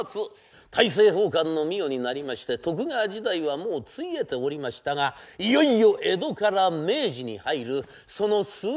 大政奉還の御代になりまして徳川時代はもうついえておりましたがいよいよ江戸から明治に入るその数日間のお物語。